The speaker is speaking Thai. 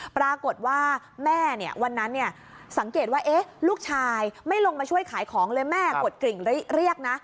ปรากฏว่าแม่เนี่ยวันนั้นสังเกตว่าลูกชายไม่ลงมาช่วยขายของเลยแม่กดกริ่งเรียกนะ